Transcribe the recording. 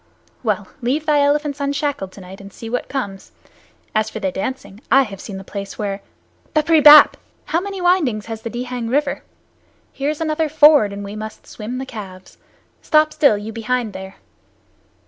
Well, leave thy elephants unshackled tonight and see what comes. As for their dancing, I have seen the place where Bapree bap! How many windings has the Dihang River? Here is another ford, and we must swim the calves. Stop still, you behind there."